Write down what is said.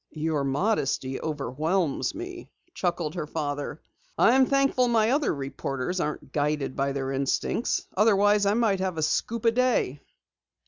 "Your modesty overwhelms me," chuckled her father. "I'm thankful my other reporters aren't guided by their instincts. Otherwise I might have a scoop a day."